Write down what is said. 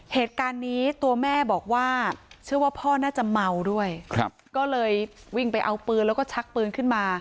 เหตุการณ์นี้ตัวแม่บอกว่าเชื่อว่าพ่อน่าจะเมาด้วยครับก็เลยวิ่งไปเอาปืนแล้วก็